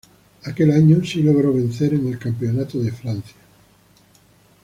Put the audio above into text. Aquel año sí logró vencer en el Campeonato de Francia.